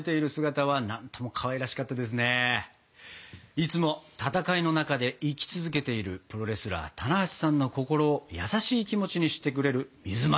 いつも戦いの中で生き続けているプロレスラー棚橋さんの心を優しい気持ちにしてくれる水まんじゅう。